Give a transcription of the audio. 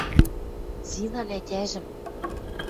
– Зинан ӓтяжӹм...